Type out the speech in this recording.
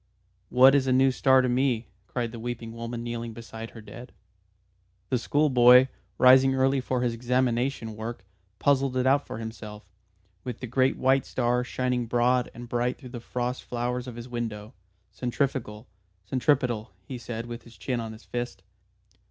"What is a new star to me?" cried the weeping woman kneeling beside her dead. The schoolboy, rising early for his examination work, puzzled it out for himself with the great white star, shining broad and bright through the frost flowers of his window. "Centrifugal, centripetal," he said, with his chin on his fist.